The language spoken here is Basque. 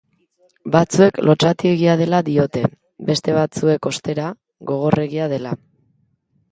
Batzuek lotsatiegia dela diote, beste batzuek, ostera, gogorregia dela.